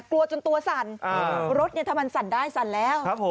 กลัวจนตัวสั่นรถถ้ามันสั่นได้สั่นแล้ว